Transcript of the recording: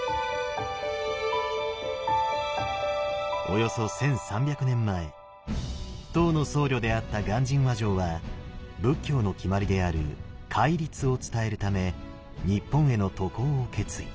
およそ１，３００年前唐の僧侶であった鑑真和上は仏教の決まりである戒律を伝えるため日本への渡航を決意。